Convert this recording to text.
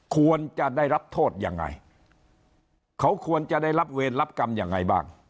ควรจะได้รับโทษยังไงเขาควรจะได้รับเวรรับกรรมยังไงบ้าง